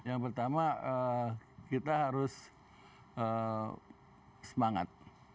yang pertama kita harus semangat